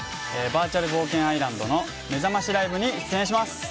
バーチャル冒険アイランドのめざましライブに出演します！